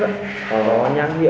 có nhán hiệu của trung nguyên